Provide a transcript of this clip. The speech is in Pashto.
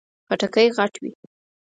خټکی غټ وي.